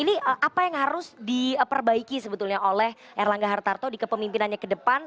ini apa yang harus diperbaiki sebetulnya oleh erlangga hartarto di kepemimpinannya ke depan